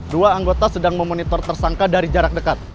dua anggota sedang memonitor tersangka dari jarak dekat